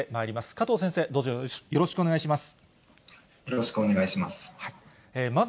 加藤先生、どうぞよろしくお願いよろしくお願いします。